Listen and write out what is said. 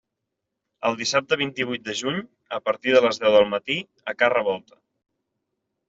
El dissabte vint-i-vuit de juny a partir de les deu del matí a Ca Revolta.